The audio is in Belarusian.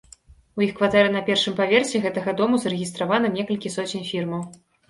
У іх кватэры на першым паверсе гэтага дому зарэгістравана некалькі соцень фірмаў!